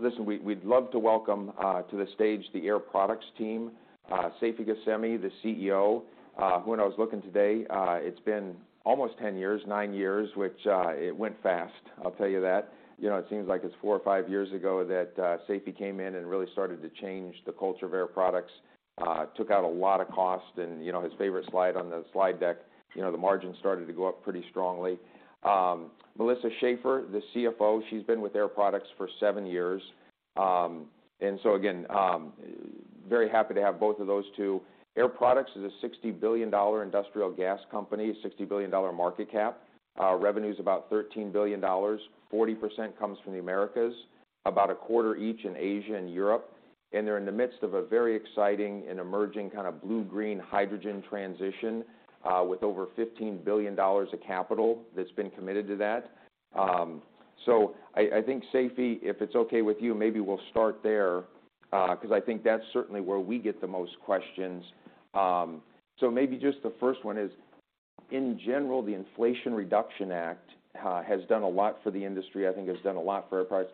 Listen, we'd love to welcome to the stage the Air Products team, Seifi Ghasemi, the CEO. When I was looking today, it's been almost 10 years, nine years, which it went fast, I'll tell you that. You know, it seems like it's four or five years ago that Seifi came in and really started to change the culture of Air Products. Took out a lot of cost and, you know, his favorite slide on the slide deck, you know, the margins started to go up pretty strongly. Melissa Schaeffer, the CFO, she's been with Air Products for seven years. Again, very happy to have both of those two. Air Products is a $60 billion industrial gas company, $60 billion market cap. Revenue's about $13 billion. 40% comes from the Americas, about a quarter each in Asia and Europe. They're in the midst of a very exciting and emerging kind of blue-green hydrogen transition, with over $15 billion of capital that's been committed to that. I think Seifi, if it's okay with you, maybe we'll start there, 'cause I think that's certainly where we get the most questions. Maybe just the first one is, in general, the Inflation Reduction Act has done a lot for the industry, I think has done a lot for Air Products.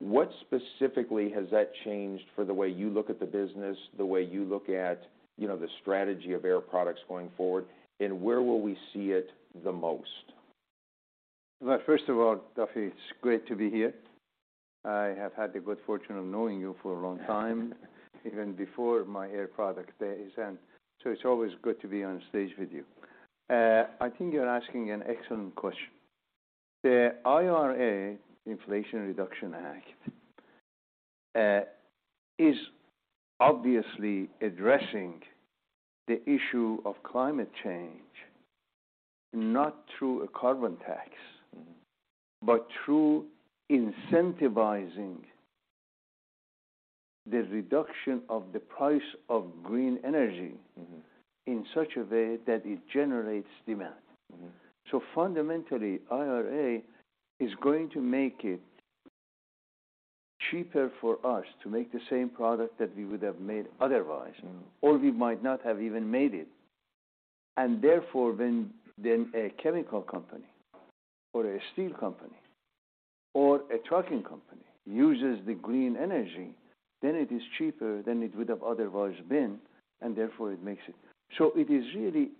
What specifically has that changed for the way you look at the business, the way you look at, you know, the strategy of Air Products going forward, and where will we see it the most? Well, first of all, Duffy, it's great to be here. I have had the good fortune of knowing you for a long time, even before my Air Products days, and so it's always good to be on stage with you. I think you're asking an excellent question. The IRA, Inflation Reduction Act, is obviously addressing the issue of climate change not through a carbon tax. Through incentivizing the reduction of the price of green energy in such a way that it generates demand. fundamentally, IRA is going to make it cheaper for us to make the same product that we would have made otherwise or we might not have even made it. Therefore, when then a chemical company or a steel company or a trucking company uses the green energy, then it is cheaper than it would have otherwise been, and therefore it makes it. It is really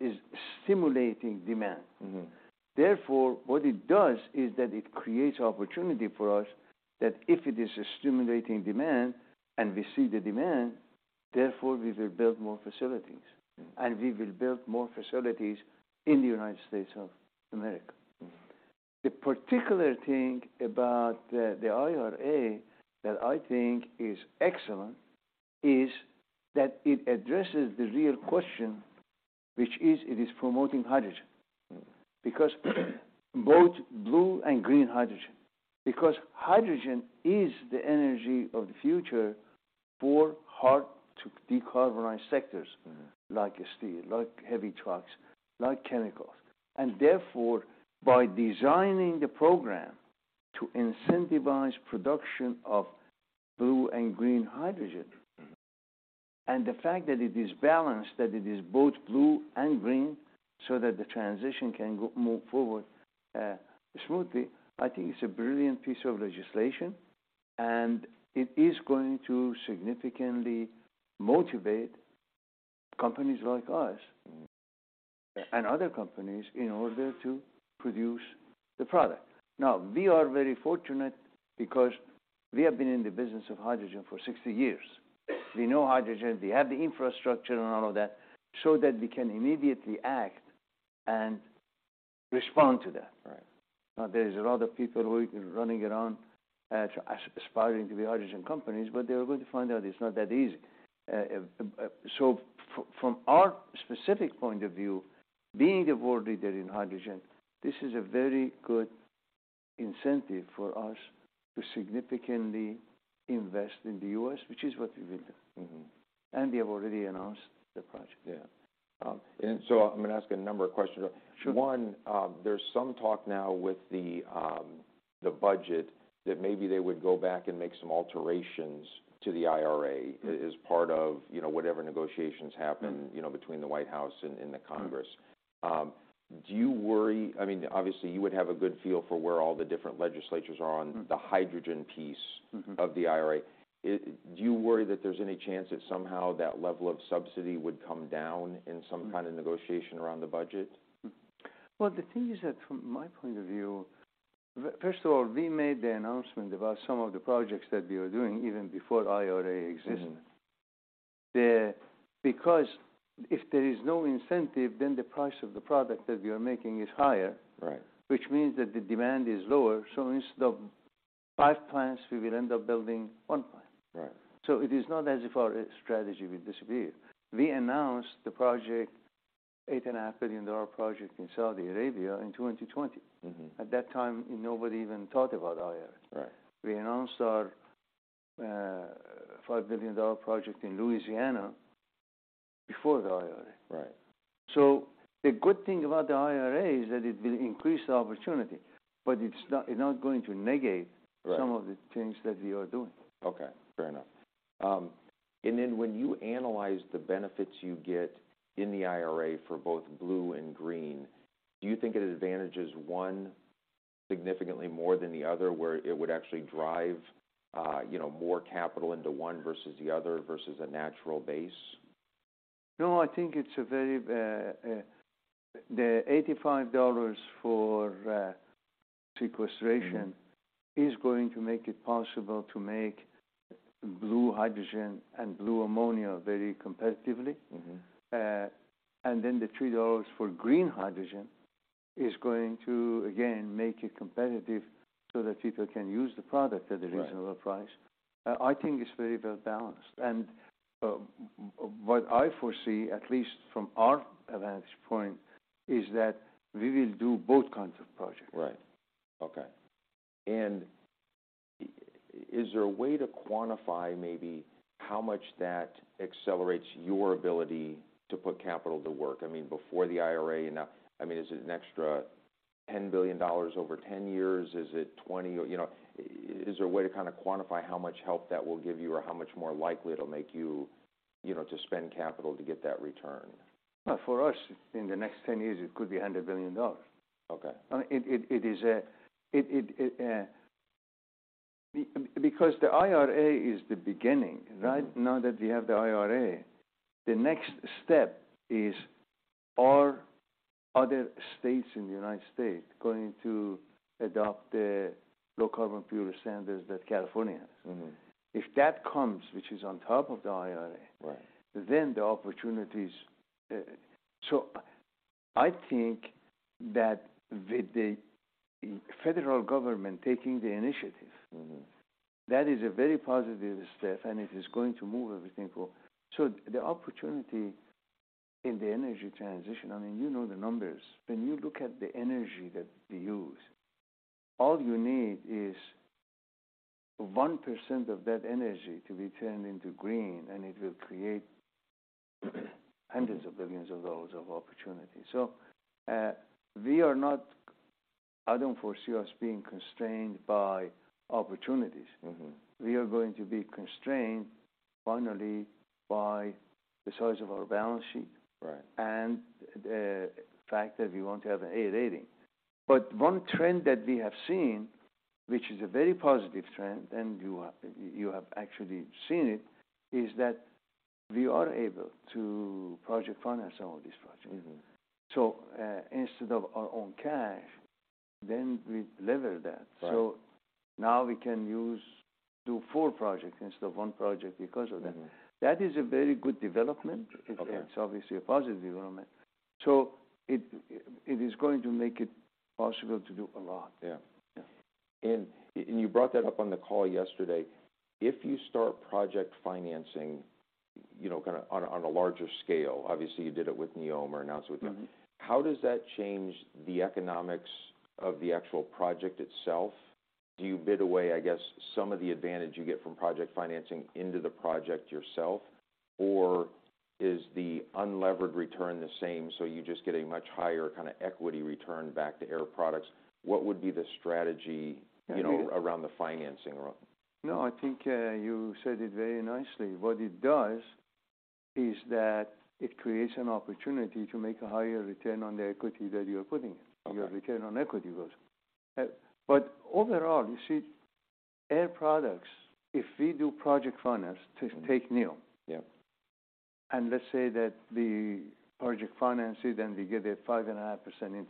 stimulating demand. Therefore, what it does is that it creates opportunity for us that if it is stimulating demand and we see the demand, therefore we will build more facilities. We will build more facilities in the United States of America. The particular thing about the IRA that I think is excellent is that it addresses the real question, which is it is promoting hydrogen. Both blue and green hydrogen, because hydrogen is the energy of the future for hard to decarbonize sectors. Like steel, like heavy trucks, like chemicals. Therefore, by designing the program to incentivize production of blue and green hydrogen. And the fact that it is balanced, that it is both blue and green so that the transition can go, move forward, smoothly, I think it's a brilliant piece of legislation, and it is going to significantly motivate companies like us and other companies in order to produce the product. We are very fortunate because we have been in the business of hydrogen for 60 years. We know hydrogen, we have the infrastructure and all of that, so that we can immediately act and respond to that. Right. There's a lot of people who are running around aspiring to be hydrogen companies. They're going to find out it's not that easy. From our specific point of view, being the world leader in hydrogen, this is a very good incentive for us to significantly invest in the U.S., which is what we will do. We have already announced the project.. I'm gonna ask a number of questions. Sure. One, there's some talk now with the budget that maybe they would go back and make some alterations to the IRA as part of, you know, whatever negotiations you know, between the White House and the Congress. Do you worry, I mean, obviously you would have a good feel for where all the different legislatures are? the hydrogen piece of the IRA. Do you worry that there's any chance that somehow that level of subsidy would come down in some kind of negotiation around the budget? Well, the thing is that from my point of view, first of all, we made the announcement about some of the projects that we are doing even before IRA existed. The, because if there is no incentive, then the price of the product that we are making is higher. Right Which means that the demand is lower, so instead of 5 plants, we will end up building 1 plant. Right. It is not as if our strategy will disappear. We announced the project, eight and a half billion dollar project in Saudi Arabia in 2020. At that time, nobody even thought about IRA. Right. We announced our $5 billion project in Louisiana before the IRA. Right. The good thing about the IRA is that it will increase the opportunity, but it's not, it's not going to negate. Right. some of the things that we are doing. Okay. Fair enough. When you analyze the benefits you get in the IRA for both blue and green. Do you think it advantages one significantly more than the other, where it would actually drive, you know, more capital into one versus the other versus a natural base? No, I think it's a very, the $85 for, sequestration- is going to make it possible to make blue hydrogen and blue ammonia very competitively. The $3 for green hydrogen is going to, again, make it competitive so that people can use the product at a reasonable price. Right. I think it's very well-balanced. What I foresee, at least from our vantage point, is that we will do both kinds of projects. Right. Okay. Is there a way to quantify maybe how much that accelerates your ability to put capital to work? I mean, before the IRA and now. I mean, is it an extra $10 billion over 10 years? Is it 20 or, you know, is there a way to kind of quantify how much help that will give you or how much more likely it'll make you know, to spend capital to get that return? For us, in the next 10 years, it could be $100 billion. Okay. I mean, it is it because the IRA is the beginning, right? Now that we have the IRA, the next step is, are other states in the United States going to adopt the Low Carbon Fuel Standard that California has? If that comes, which is on top of the IRA- Right Then the opportunities. I think that with the federal government taking the initiative- That is a very positive step, and it is going to move everything forward. The opportunity in the energy transition, I mean, you know the numbers. When you look at the energy that we use, all you need is 1% of that energy to be turned into green, and it will create $hundreds of billions of opportunity. I don't foresee us being constrained by opportunities. We are going to be constrained, finally, by the size of our balance sheet- Right The fact that we want to have an A rating. One trend that we have seen, which is a very positive trend, and you have actually seen it, is that we are able to project finance some of these projects. Instead of our own cash, then we lever that. Right. Now we can do 4 projects instead of 1 project because of that. That is a very good development. Okay. It's obviously a positive development. It is going to make it possible to do a lot... You brought that up on the call yesterday. If you start project financing, you know, kind of on a larger scale, obviously you did it with NEOM or announced it with them. How does that change the economics of the actual project itself? Do you bid away, I guess, some of the advantage you get from project financing into the project yourself? Or is the unlevered return the same, so you just get a much higher kind of equity return back to Air Products? What would be the strategy- I mean- you know, around the financing around? No, I think, you said it very nicely. What it does is that it creates an opportunity to make a higher return on the equity that you're putting in. Okay. Your return on equity goes up. Overall, you see, Air Products, if we do project finance, take NEOM. Let's say that we project finance it, then we get a 5.5% interest.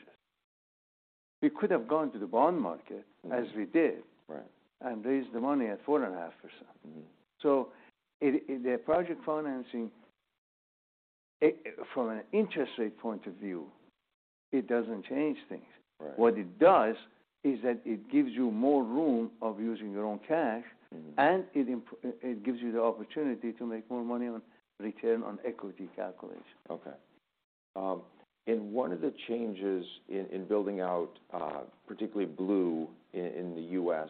We could have gone to the bond market, as we did. Right raised the money at 4.5%. The project financing, from an interest rate point of view, it doesn't change things. Right. What it does is that it gives you more room of using your own cash. It gives you the opportunity to make more money on return on equity calculation. One of the changes in building out, particularly blue in the U.S.,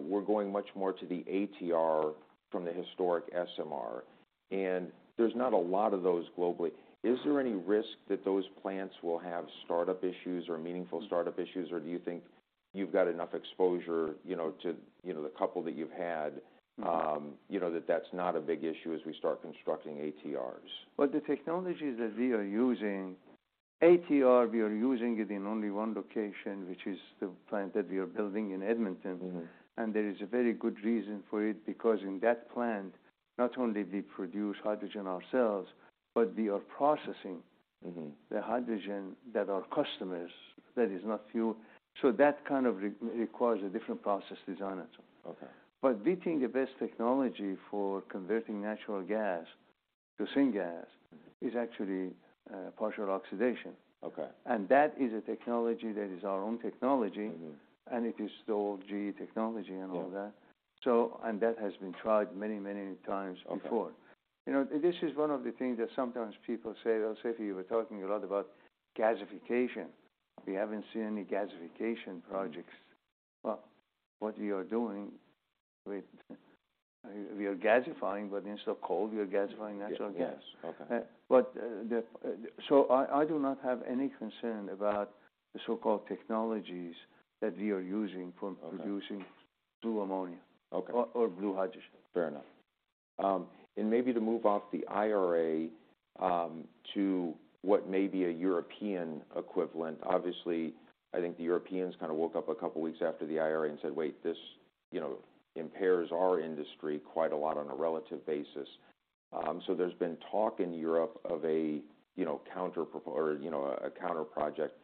we're going much more to the ATR from the historic SMR, and there's not a lot of those globally. Is there any risk that those plants will have startup issues or meaningful startup issues, or do you think you've got enough exposure, you know, to, you know, the couple that you've had, that that's not a big issue as we start constructing ATRs? Well, the technologies that we are using, ATR, we are using it in only one location, which is the plant that we are building in Edmonton. There is a very good reason for it, because in that plant, not only we produce hydrogen ourselves. The hydrogen that our customers, that is not fuel. That kind of requires a different process design or so. Okay. We think the best technology for converting natural gas to syngas is actually, partial oxidation. Okay. That is a technology that is our own technology. it is still GE technology and all that. That has been tried many times before. Okay. You know, this is one of the things that sometimes people say, they'll say, "We're talking a lot about gasification. We haven't seen any gasification projects." Well, what we are doing, we are gasifying, but instead of coal, we are gasifying natural gas.. Okay. I do not have any concern about the so-called technologies that we are using for producing. Okay blue ammonia. Okay. blue hydrogen. Fair enough. Maybe to move off the IRA, to what may be a European equivalent. Obviously, I think the Europeans kind of woke up a couple of weeks after the IRA and said, "Wait, this, you know, impairs our industry quite a lot on a relative basis." There's been talk in Europe of a, you know, counter project.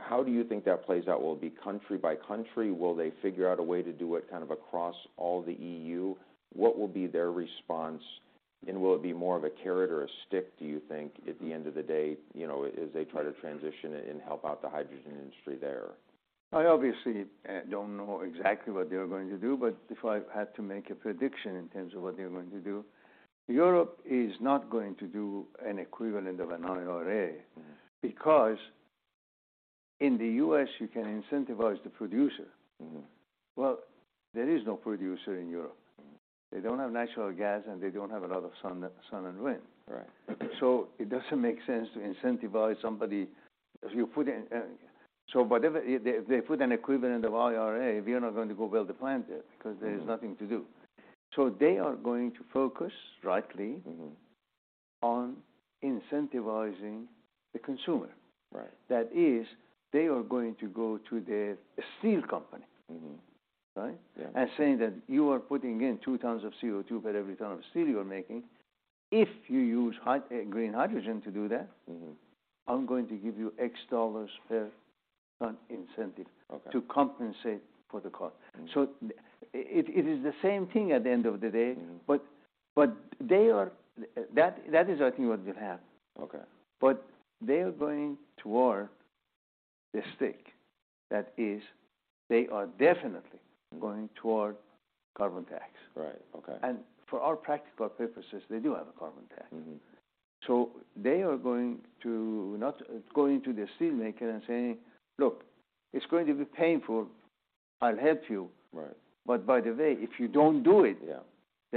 How do you think that plays out? Will it be country by country? Will they figure out a way to do it kind of across all the EU? What will be their response, and will it be more of a carrot or a stick, do you think, at the end of the day, you know, as they try to transition it and help out the hydrogen industry there? I obviously don't know exactly what they are going to do, but if I had to make a prediction in terms of what they're going to do, Europe is not going to do an equivalent of an IRA. In the U.S. you can incentivize the producer. Well, there is no producer in Europe. They don't have natural gas, and they don't have a lot of sun and wind. Right. It doesn't make sense to incentivize somebody if you put in, whatever, they put an equivalent of IRA, we are not going to go build a plant there because there is nothing to do. They are going to focus. on incentivizing the consumer. Right. That is, they are going to go to the steel company. Right? saying that, "You are putting in 2 tons of CO2 per every ton of steel you're making. If you use green hydrogen to do that.. I'm going to give you $X per ton incentive- Okay. to compensate for the cost. It is the same thing at the end of the day. That is, I think, what they'll have. Okay. They are going toward the stick. That is, they are definitely going toward carbon tax. Right. Okay. For all practical purposes, they do have a carbon tax. They are going to, not going to the steelmaker and saying, "Look, it's going to be painful. I'll help you. Right. By the way, if you don't do it.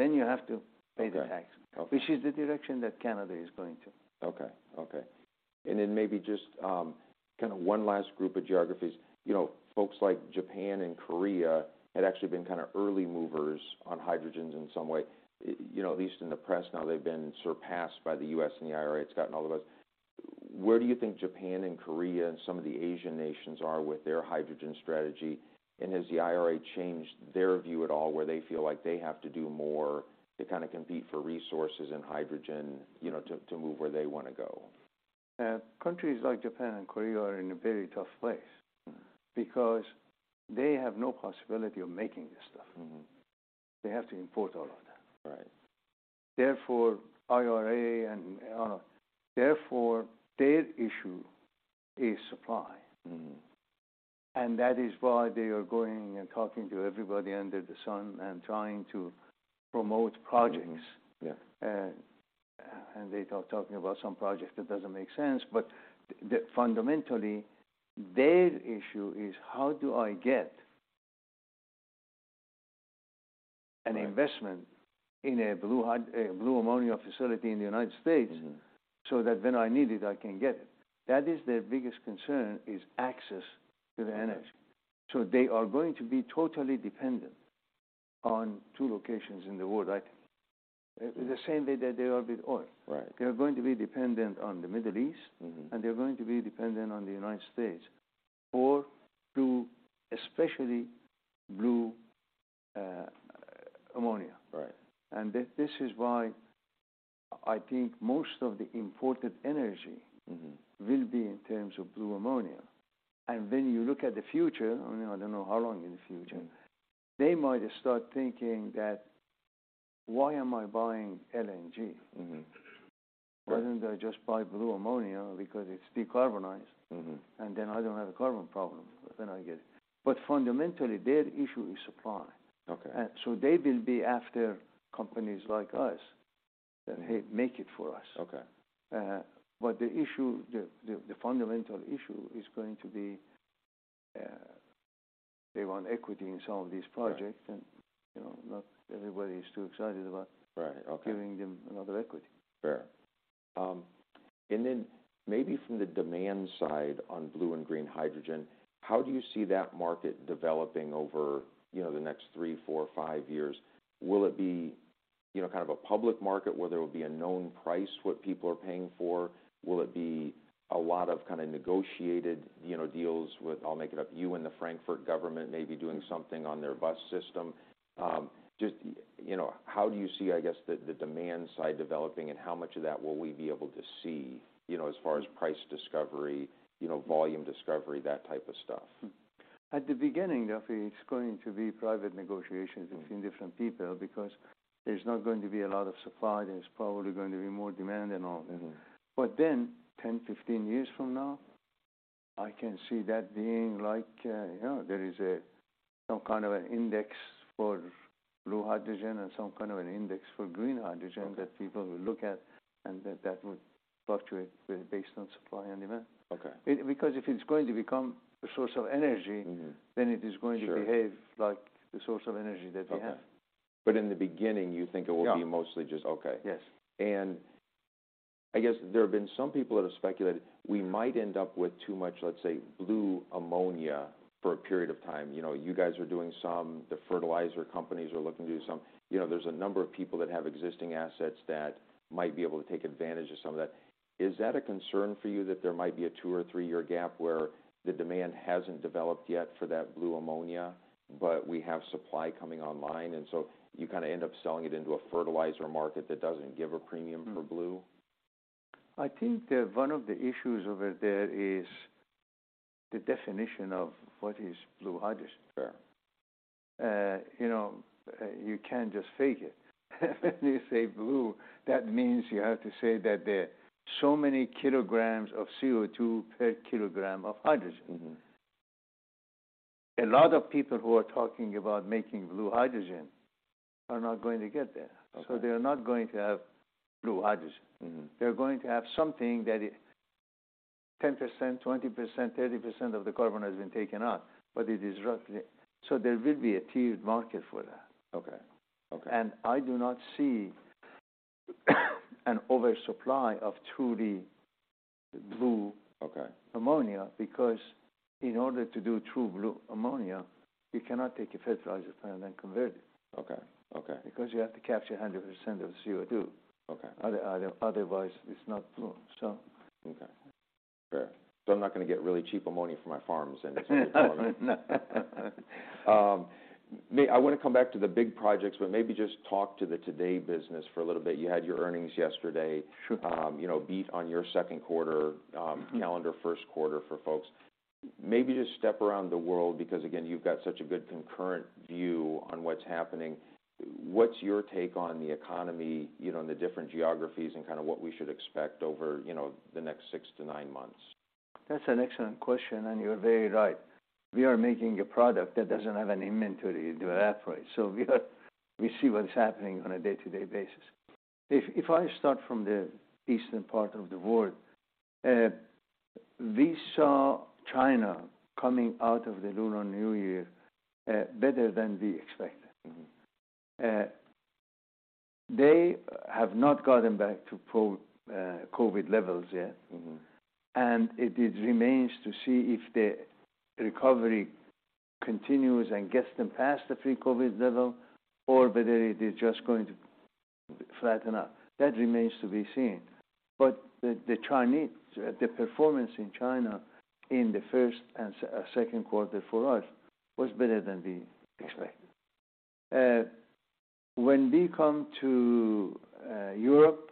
You have to pay the tax. Okay. Which is the direction that Canada is going to. Okay. Okay. Then maybe just, kind of one last group of geographies. You know, folks like Japan and Korea had actually been kind of early movers on hydrogens in some way. You know, at least in the press now, they've been surpassed by the U.S. and the IRA, it's gotten all the buzz. Where do you think Japan and Korea and some of the Asian nations are with their hydrogen strategy? Has the IRA changed their view at all, where they feel like they have to do more to kind of compete for resources and hydrogen, you know, to move where they want to go? Countries like Japan and Korea are in a very tough place. They have no possibility of making this stuff. They have to import all of that. Right. Therefore, IRA and, oh, no. Therefore, their issue is supply. That is why they are going and talking to everybody under the sun and trying to promote projects. They talking about some project that doesn't make sense, but the fundamentally, their issue is, how do I get an investment-. Right in a blue ammonia facility in the United States.. so that when I need it, I can get it? That is their biggest concern, is access to the energy. Right. They are going to be totally dependent on 2 locations in the world, I think. The same way that they are with oil. Right. They are going to be dependent on the Middle East and they are going to be dependent on the United States for blue, especially blue, ammonia. Right. this is why I think most of the imported energy.. will be in terms of blue ammonia. When you look at the future, I mean, I don't know how long in the future. They might start thinking that, "Why am I buying LNG?. Right. Why don't I just buy blue ammonia because it's decarbonized? I don't have a carbon problem when I get it." Fundamentally, their issue is supply. Okay. They will be after companies like us, and, "Hey, make it for us. Okay. The issue, the fundamental issue is going to be, they want equity in some of these projects. Right. You know, not everybody is too excited. Right. Okay. giving them another equity. Fair. Maybe from the demand side on blue and green hydrogen, how do you see that market developing over, you know, the next three, four, five years? Will it be, you know, kind of a public market where there will be a known price what people are paying for? Will it be a lot of kind of negotiated, you know, deals with, I'll make it up, you and the Frankfurt government maybe doing something on their bus system? Just, you know, how do you see, I guess, the demand side developing, and how much of that will we be able to see, you know, as far as price discovery, you know, volume discovery, that type of stuff? At the beginning, Duffy, it's going to be private negotiations between different people because there's not going to be a lot of supply, there's probably going to be more demand than all. 10, 15 years from now, I can see that being like, you know, there is some kind of an index for blue hydrogen and some kind of an index for green hydrogen. Okay. that people will look at, and that would fluctuate based on supply and demand. Okay. If it's going to become a source of energy.. then it is going to behave- Sure like the source of energy that we have. Okay. In the beginning, you think it will be. mostly. Okay. Yes. I guess there have been some people that have speculated we might end up with too much, let's say, blue ammonia for a period of time. You know, you guys are doing some, the fertilizer companies are looking to do some. You know, there's a number of people that have existing assets that might be able to take advantage of some of that. Is that a concern for you, that there might be a two or three-year gap where the demand hasn't developed yet for that blue ammonia, but we have supply coming online, and so you kind of end up selling it into a fertilizer market that doesn't give a premium for Blue? I think that one of the issues over there is the definition of what is blue hydrogen. Sure. You know, you can't just fake it. When you say blue, that means you have to say that there are so many kilograms of CO2 per kilogram of hydrogen. A lot of people who are talking about making blue hydrogen are not going to get there. Okay. They are not going to have blue hydrogen. They're going to have something that is 10%, 20%, 30% of the carbon has been taken out, but it is roughly. There will be a tiered market for that. Okay. Okay. I do not see an oversupply of truly blue- Okay. ammonia because in order to do true blue ammonia, you cannot take a fertilizer plant and convert it. Okay. Okay. You have to capture 100% of the CO2. Okay. Otherwise it's not true. Okay. Fair. I'm not gonna get really cheap ammonia for my farms anytime soon. No. I want to come back to the big projects, but maybe just talk to the today business for a little bit. You had your earnings yesterday. Sure. You know, beat on your second quarter, calendar first quarter for folks. Just step around the world because, again, you've got such a good concurrent view on what's happening. What's your take on the economy, you know, and the different geographies and kind of what we should expect over, you know, the next six to nine months? That's an excellent question, and you're very right. We are making a product that doesn't have any inventory to operate, so we see what's happening on a day-to-day basis. If I start from the eastern part of the world, we saw China coming out of the Lunar New Year better than we expected. They have not gotten back to COVID levels yet. It remains to see if the recovery continues and gets them past the pre-COVID level, or whether it is just going to flatten out. That remains to be seen. The Chinese, the performance in China in the first and second quarter for us was better than we expected. When we come to Europe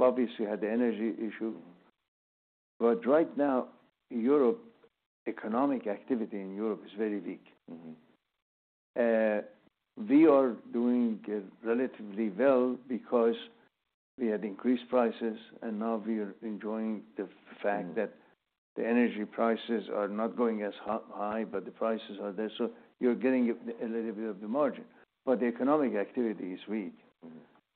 obviously had the energy issue. Right now, Europe, economic activity in Europe is very weak. We are doing relatively well because we had increased prices. Now we are enjoying the fact that the energy prices are not going as high. The prices are there. You're getting a little bit of the margin. The economic activity is weak.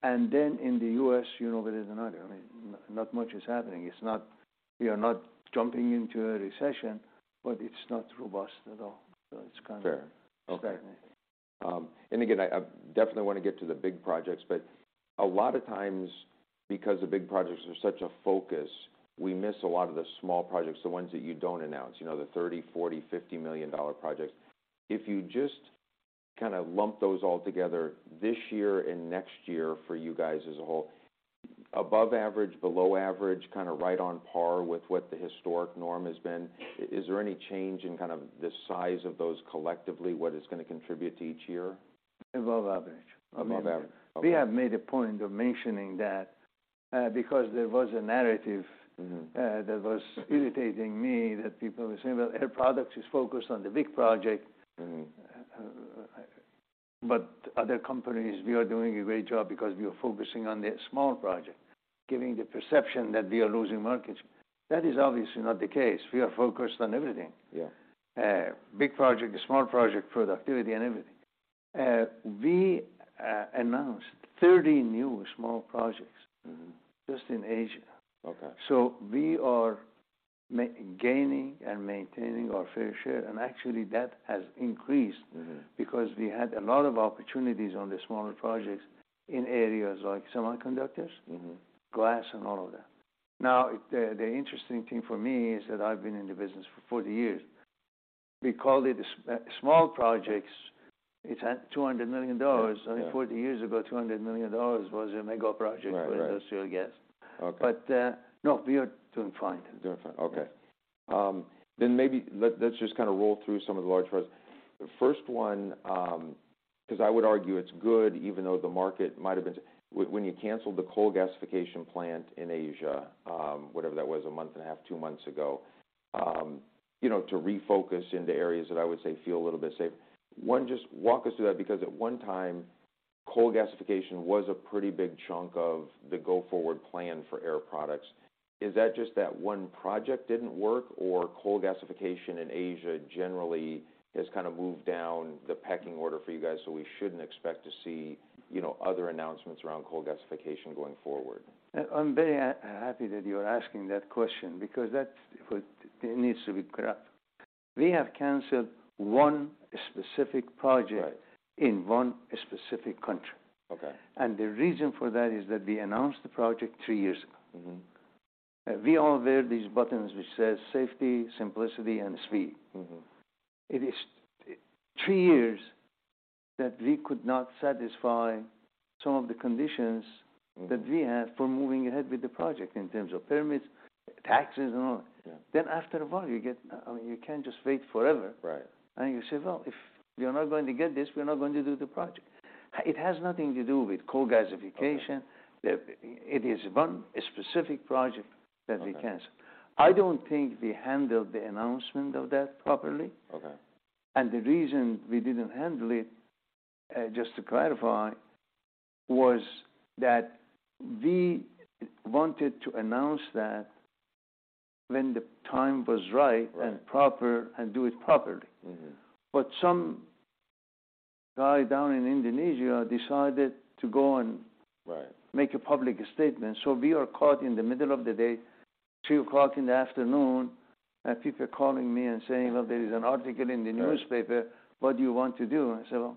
In the U.S., you know, there is another, I mean, not much is happening. We are not jumping into a recession, but it's not robust at all. Fair. Okay. stagnant. Again, I definitely want to get to the big projects, but a lot of times, because the big projects are such a focus, we miss a lot of the small projects, the ones that you don't announce, you know, the $30 million, $40 million, $50 million projects. If you just kind of lump those all together this year and next year for you guys as a whole, above average, below average, kind of right on par with what the historic norm has been, is there any change in kind of the size of those collectively, what it's gonna contribute to each year? Above average. Above average. We have made a point of mentioning that, because there was a narrative.. that was irritating me, that people were saying, "Well, Air Products is focused on the big project. Other companies, we are doing a great job because we are focusing on the small project," giving the perception that we are losing markets. That is obviously not the case. We are focused on everything. Big project, small project, productivity and everything. We announced 30 new small projects just in Asia. Okay. We are gaining and maintaining our fair share, and actually, that has increased because we had a lot of opportunities on the smaller projects in areas like semiconductors glass and all of that. Now, the interesting thing for me is that I've been in the business for 40 years. We called it a small projects. It's at $200 million. I mean, 40 years ago, $200 million was a mega project. Right. Right For industrial gas. Okay. No, we are doing fine. Doing fine. Okay. Maybe let's just kind of roll through some of the large projects. The first one, 'cause I would argue it's good, even though the market might have been. When you canceled the coal gasification plant in Asia, whatever that was, 1 and a half, 2 months ago, you know, to refocus into areas that I would say feel a little bit safer. One, just walk us through that, because at one time, coal gasification was a pretty big chunk of the go-forward plan for Air Products. Is that just that one project didn't work, or coal gasification in Asia generally has kind of moved down the pecking order for you guys, so we shouldn't expect to see, you know, other announcements around coal gasification going forward? I'm very happy that you're asking that question because that's what needs to be clear. We have canceled one specific project. Right. in one specific country. Okay. The reason for that is that we announced the project 3 years ago. We all wear these buttons which says, "Safety, simplicity, and speed. It is, three years that we could not satisfy some of the.. that we have for moving ahead with the project in terms of permits, taxes, and all. After a while, I mean, you can't just wait forever. Right. You say, "Well, if we are not going to get this, we're not going to do the project." It has nothing to do with coal gasification. Okay. It is one specific project that we canceled. Okay. I don't think we handled the announcement of that properly. Okay. The reason we didn't handle it, just to clarify, was that we wanted to announce that when the time was right. Right. and proper, and do it properly. some guy down in Indonesia decided to go. Right Make a public statement. We are caught in the middle of the day, 2:00 P.M., and people are calling me and saying, "Well, there is an article in the newspaper. Right. What do you want to do?" I said, "Well,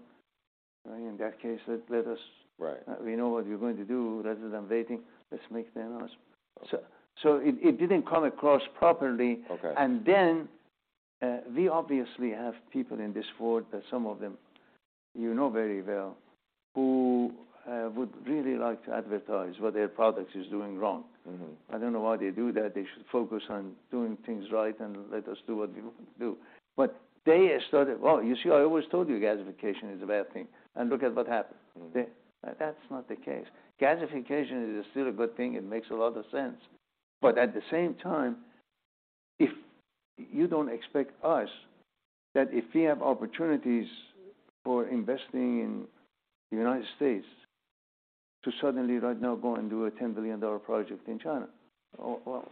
I mean, in that case, let us- Right. We know what we are going to do rather than waiting, let's make the announcement. Okay. It didn't come across properly. Okay. We obviously have people in this world that some of them you know very well who would really like to advertise what Air Products is doing wrong. I don't know why they do that. They should focus on doing things right and let us do what we do. They started, "Well, you see, I always told you gasification is a bad thing, and look at what happened. That's not the case. Gasification is still a good thing and makes a lot of sense. At the same time, if you don't expect us, that if we have opportunities for investing in the United States, to suddenly right now go and do a $10 billion project in China. Or,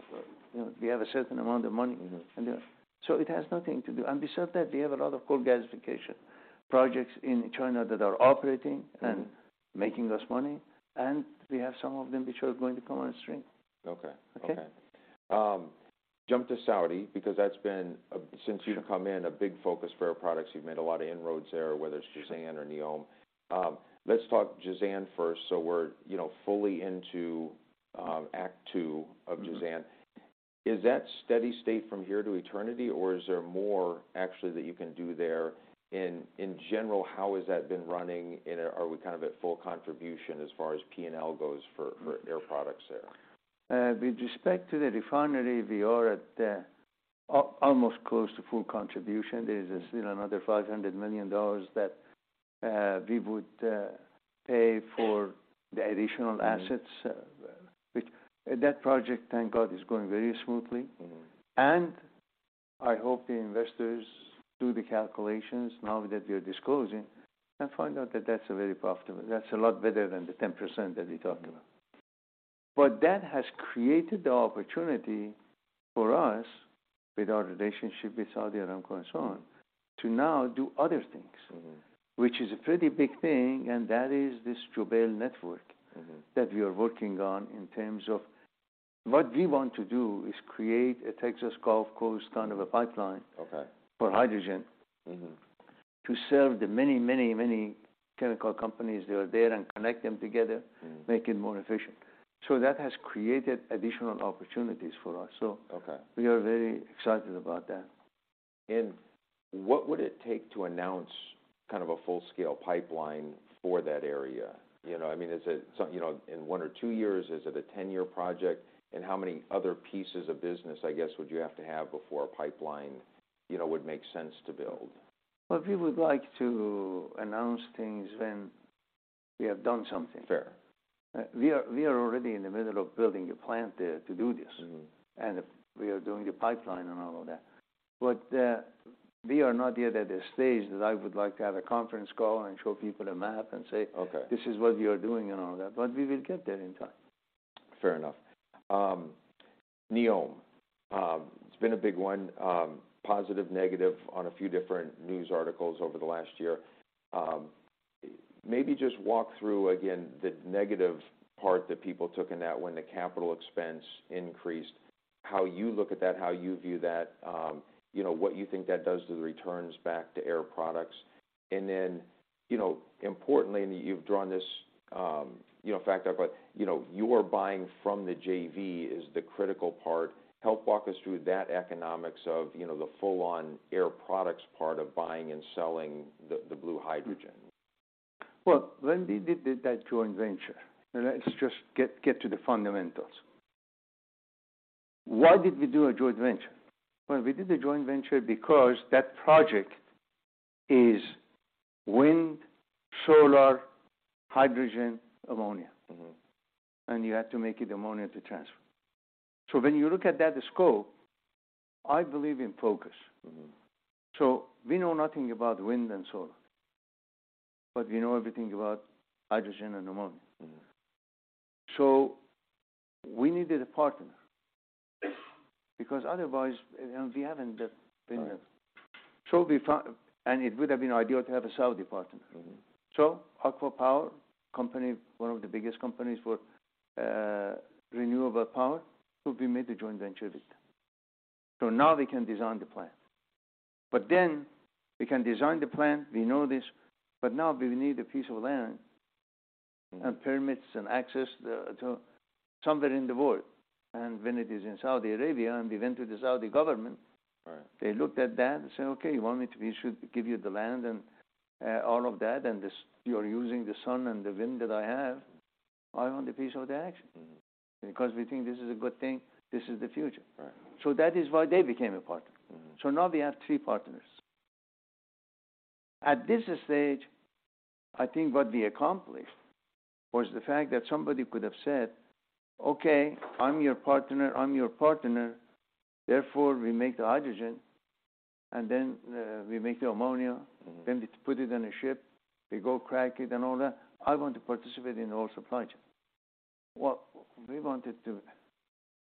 you know, we have a certain amount of money. It has nothing to do. Besides that, we have a lot of coal gasification projects in China that are operating- Making us money, and we have some of them which are going to come on stream. Okay. Okay? Okay. Jump to Saudi, because that's been a, since you've come in, a big focus for Air Products. You've made a lot of inroads there, whether it's Jazan or NEOM. Let's talk Jazan first, so we're, you know, fully into, act two of Jazan. Is that steady state from here to eternity, or is there more actually that you can do there? In general, how has that been running, and are we kind of at full contribution as far as P&L goes for Air Products there? With respect to the refinery, we are at almost close to full contribution. There's still another $500 million that we would pay for the additional assets. Which, that project, thank God, is going very smoothly. I hope the investors do the calculations now that we are disclosing, and find out that that's a very profitable. That's a lot better than the 10% that we talked about. That has created the opportunity for us, with our relationship with Saudi Aramco and so on, to now do other things. Which is a pretty big thing, and that is this Jubail network-. that we are working on. What we want to do is create a Texas Gulf Coast kind of a pipeline. Okay. for hydrogen to serve the many, many, many chemical companies that are there and connect them together make it more efficient. That has created additional opportunities for us. Okay we are very excited about that. What would it take to announce kind of a full-scale pipeline for that area? You know, I mean is it some, you know, in one or two years? Is it a 10-year project? How many other pieces of business, I guess, would you have to have before a pipeline, you know, would make sense to build? Well, we would like to announce things when we have done something. Fair. we are already in the middle of building a plant there to do this. We are doing the pipeline and all of that. We are not yet at the stage that I would like to have a conference call and show people a map and say. Okay. "This is what we are doing," and all that. We will get there in time. Fair enough. NEOM, it's been a big 1, positive, negative on a few different news articles over the last year. Maybe just walk through again the negative part that people took in that when the CapEx increased, how you look at that, how you view that, you know, what you think that does to the returns back to Air Products. You know, importantly, and you've drawn this, you know, fact out, but, you know, your buying from the JV is the critical part. Help walk us through that economics of, you know, the full on Air Products part of buying and selling the blue hydrogen. When we did that joint venture, let's just get to the fundamentals. Why did we do a joint venture? We did the joint venture because that project is wind, solar, hydrogen, ammonia. You have to make it ammonia to transfer. When you look at that scope, I believe in focus. We know nothing about wind and solar, but we know everything about hydrogen and ammonia. We needed a partner, because otherwise, you know. Right. It would have been ideal to have a Saudi partner. ACWA Power company, one of the biggest companies for renewable power, who we made a joint venture with. Now we can design the plan. We can design the plan, we know this, but now we need a piece of land.. and permits and access the to somewhere in the world. When it is in Saudi Arabia, and we went to the Saudi government. Right .They looked at that and said, "Okay, we should give you the land and all of that, and this, you're using the sun and the wind that I have, I want a piece of the action. We think this is a good thing. This is the future. Right. That is why they became a partner. Now we have three partners. At this stage, I think what we accomplished was the fact that somebody could have said, "Okay, I'm your partner, I'm your partner, therefore we make the hydrogen, and then, we make the ammonia.. We put it in a ship, we go crack it and all that. I want to participate in the whole supply chain."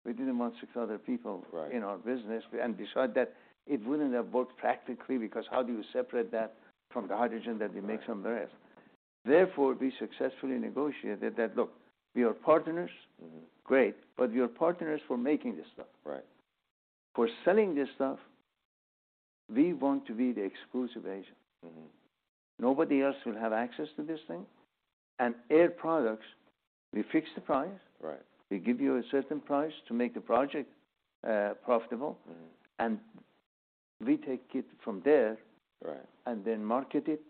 We didn't want six other people. Right In our business, we, and decide that it wouldn't have worked practically, because how do you separate that from the hydrogen that we make somewhere else? Right. Therefore, we successfully negotiated that, "Look, we are partners.. great, but we are partners for making this stuff. Right. For selling this stuff, we want to be the exclusive agent. Nobody else will have access to this thing, and Air Products, we fix the price. Right. We give you a certain price to make the project profitable. We take it from there. Right And then market it,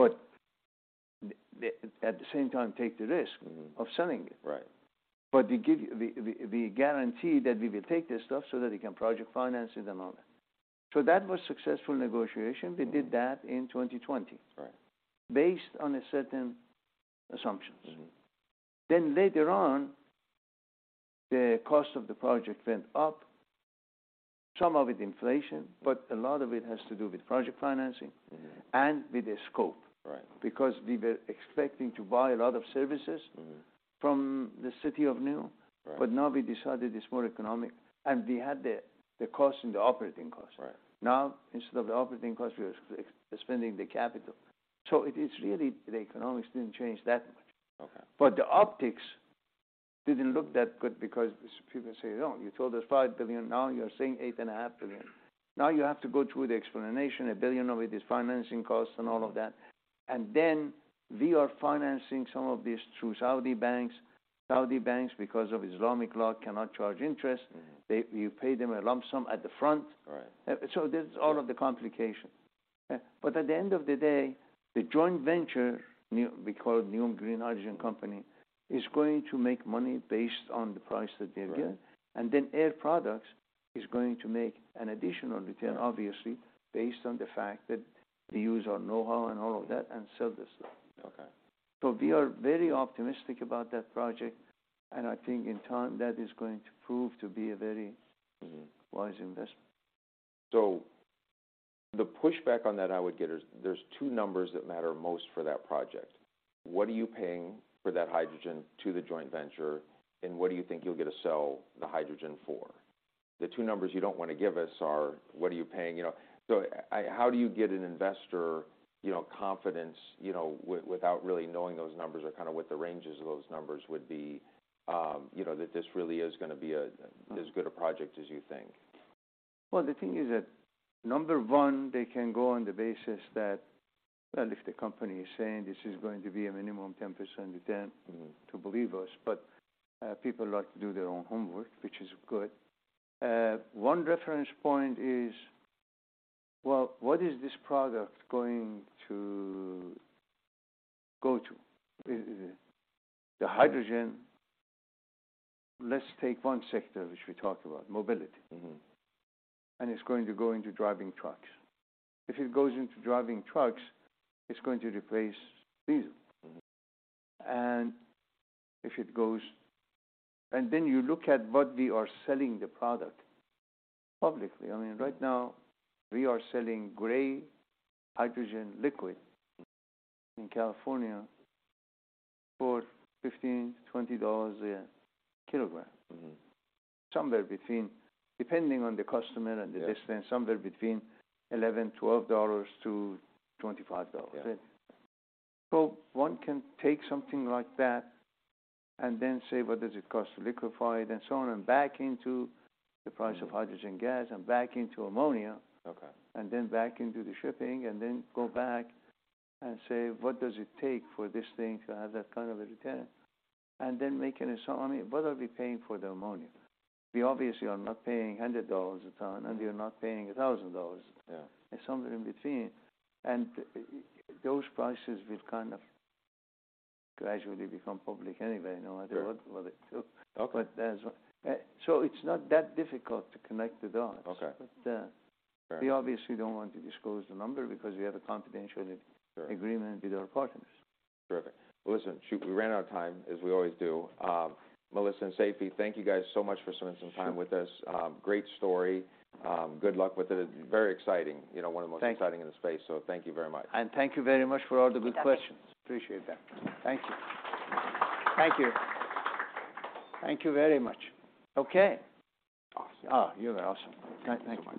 but the, at the same time, take the risk of selling it. Right. We give you the guarantee that we will take this stuff so that we can project finance it and all that." That was successful negotiation. We did that in 2020. Right. Based on a certain assumptions. later on, the cost of the project went up, some of it inflation, but a lot of it has to do with project financing. With the scope. Right. Because we were expecting to buy a lot of services.. from the city of NEOM- Right Now we decided it's more economic, and we had the cost and the operating cost. Right. Instead of the operating cost, we are expending the capital. It is really the economics didn't change that much. Okay. The optics didn't look that good because people say, "Oh, you told us $5 billion, now you're saying $8 and a half billion." You have to go through the explanation, $1 billion of it is financing costs and all of that. We are financing some of this through Saudi banks. Saudi banks, because of Islamic law, cannot charge interest. They, you pay them a lump sum at the front. Right. There's all of the complication. At the end of the day, the joint venture, NEOM, we call it NEOM Green Hydrogen Company, is going to make money based on the price that they get. Right. Air Products is going to make an additional return, obviously, based on the fact that they use our know-how and all of that, and sell this stuff. Okay. We are very optimistic about that project, and I think in time that is going to prove to be a.. wise investment. The pushback on that I would get is there's two numbers that matter most for that project. What are you paying for that hydrogen to the joint venture, and what do you think you'll get to sell the hydrogen for? The two numbers you don't want to give us are what are you paying, you know. I, how do you get an investor, you know, confidence, you know, without really knowing those numbers or kind of what the ranges of those numbers would be, you know, that this really is gonna be as good a project as you think? The thing is that, number one, they can go on the basis that, well, if the company is saying this is going to be a minimum 10% return.. to believe us, but people like to do their own homework, which is good. One reference point is, well, what is this product going to go to? The hydrogen, let's take one sector which we talked about, mobility. It's going to go into driving trucks. If it goes into driving trucks, it's going to replace diesel. If it goes. Then you look at what we are selling the product publicly. I mean, right now we are selling gray hydrogen liquid in California for $15-$20 a kilogram. Somewhere between, depending on the customer and the distance. somewhere between $11, $12 to $25. One can take something like that and then say, "What does it cost to liquefy it?" On and back into the price of hydrogen gas and back into ammonia. Okay. Back into the shipping, and then go back and say, "What does it take for this thing to have that kind of a return?" I mean, what are we paying for the ammonia? We obviously are not paying $100 a ton, and we are not paying $1,000 a ton. It's somewhere in between. Those prices will kind of gradually become public anyway, no matter what it took. Okay. It's not that difficult to connect the dots. Okay. But, - Right. we obviously don't want to disclose the number because we have a confidential. Sure. agreement with our partners. Terrific. Well, listen, shoot, we ran out of time, as we always do. Melissa and Seifi, thank you guys so much for spending some time with us. Sure. Great story. Good luck with it. Very exciting. You know. Thank you. Exciting in the space, so thank you very much. Thank you very much for all the good questions. Thank you. Appreciate that. Thank you. Thank you. Thank you very much. Okay. Awesome. Oh, you're awesome. Thank you.